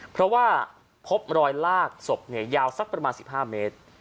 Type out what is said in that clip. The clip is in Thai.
เพราะว่าพบรอยลากศพยาวสักประมาณ๑๕เมตร